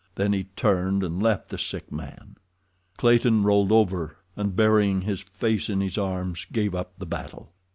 Then he turned and left the sick man. Clayton rolled over, and, burying his face in his arms, gave up the battle.